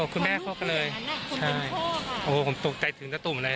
คุณแม่เข้ากันเลยผมตกใจถึงตะตุ่มเลย